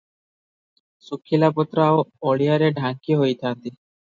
ଶୁଖିଲାପତ୍ର ଆଉ ଅଳିଆରେ ଢାଙ୍କି ହୋଇଥାନ୍ତି ।